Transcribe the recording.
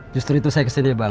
justru itu saya kesini bang